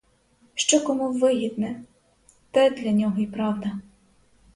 Що кому вигідне, те для нього й правда.